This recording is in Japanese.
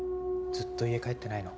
ずっと家帰ってないの？